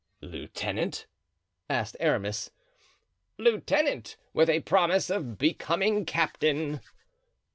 "Lieutenant?" asked Aramis. "Lieutenant, with a promise of becoming captain."